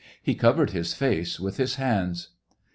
He covered his face with his hands.